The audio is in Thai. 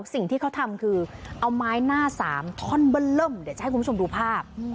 สิ่งที่เขาทำคือเอาไม้หน้าสามท่อนเบอร์เริ่มเดี๋ยวจะให้คุณผู้ชมดูภาพ